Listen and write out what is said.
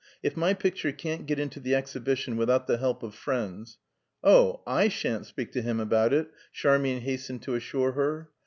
If my picture can't get into the Exhibition without the help of friends " "Oh, I shan't speak to him about it," Charmian hastened to assure her.